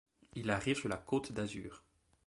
Il arrive sur la côte d'Azur.